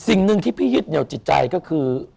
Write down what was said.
สิ่งหนึ่งที่พี่ยึดเหนียวจิตใจก็คือ